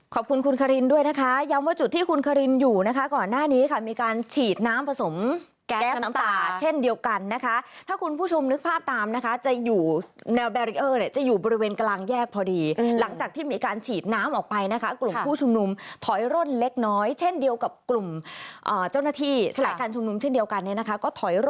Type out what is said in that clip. ขอบคุณคุณคารินด้วยนะคะย้ำว่าจุดที่คุณคารินอยู่นะคะก่อนหน้านี้ค่ะมีการฉีดน้ำผสมแก๊สน้ำตาเช่นเดียวกันนะคะถ้าคุณผู้ชมนึกภาพตามนะคะจะอยู่แนวแบรีเออร์เนี่ยจะอยู่บริเวณกลางแยกพอดีหลังจากที่มีการฉีดน้ำออกไปนะคะกลุ่มผู้ชุมนุมถอยร่นเล็กน้อยเช่นเดียวกับกลุ่มเจ้าหน้าที่สลายการชุมนุมเช่นเดียวกันเนี่ยนะคะก็ถอยร